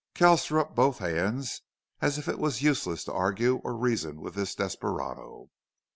Kells threw up both hands as if it was useless to argue or reason with this desperado.